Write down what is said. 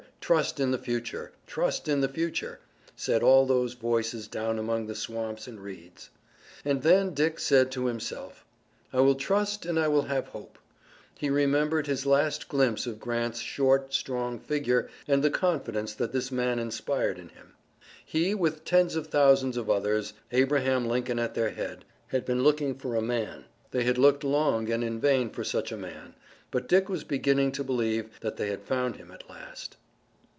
Trust in the future! Trust in the future!" said all those voices down among the swamps and reeds. And then Dick said to himself: "I will trust and I will have hope!" He remembered his last glimpse of Grant's short, strong figure and the confidence that this man inspired in him. He, with tens of thousands of others, Abraham Lincoln at their head, had been looking for a man, they had looked long and in vain for such a man, but Dick was beginning to believe that they had found him at last.